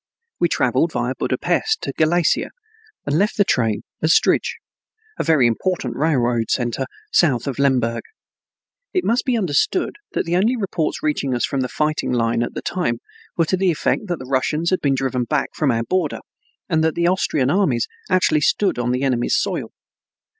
We traveled via Budapest to Galicia, and left the train at Strij, a very important railroad center south of Lemberg. It must be understood that the only reports reaching us from the fighting line at that time were to the effect that the Russians had been driven back from our border, and that the Austrian armies actually stood on the enemy's soil.